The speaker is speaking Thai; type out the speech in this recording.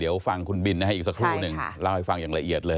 เดี๋ยวฟังคุณบินนะฮะอีกสักครู่หนึ่งเล่าให้ฟังอย่างละเอียดเลย